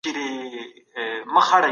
احمد نن په کلي کي یو نوی دوست پیدا کړی.